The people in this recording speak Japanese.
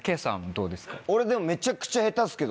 どうですか？